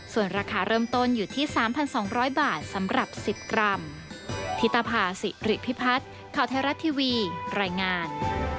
ส่วนราคาเริ่มต้นอยู่ที่๓๒๐๐บาทสำหรับ๑๐กรัม